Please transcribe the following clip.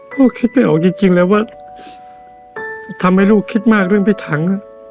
พ่อคิดไม่ออกจริงจริงแล้วว่าจะทำให้ลูกคิดมากด้วยพี่ทังอ่ะ